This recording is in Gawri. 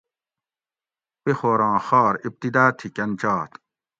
پیخور آں خار ابتدأ تھی کۤن چات؟